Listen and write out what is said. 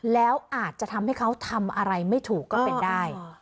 แล้วอาจจะทำให้เขาทำอะไรไม่ถูกก็เป็นได้